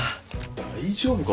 大丈夫か？